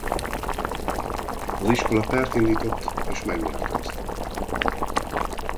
Az iskola pert indított és megnyerte azt.